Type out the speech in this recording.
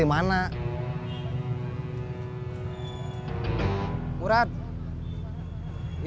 sejak hari ini